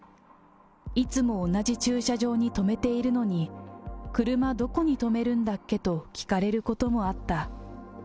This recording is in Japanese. いつも同じ駐車場に止めているのに、車どこに止めるんだっけと聞かれることもあった。